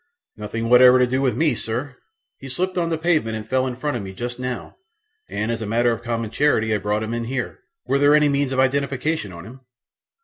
"Nothing whatever to do with me, sir. He slipped on the pavement and fell in front of me just now, and as a matter of common charity I brought him in here. Were there any means of identification on him?"